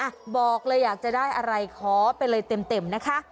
อ่ะบอกเลยอยากจะได้อะไรขอไปเลยเต็มเต็มนะคะ